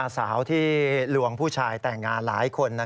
สาวที่ลวงผู้ชายแต่งงานหลายคน